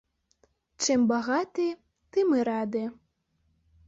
Чым багаты, тым і рады.